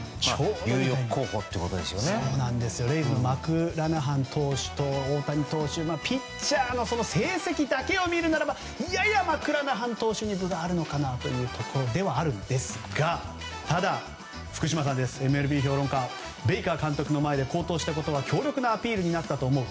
レイズのマクラナハン投手と大谷選手ピッチャーの成績だけを見るならややマクラナハン投手に分があるのかなという感じですがただ、ＭＬＢ評論家の福島さんはベイカー監督の前で好投したことは強力なアピールになったと思う。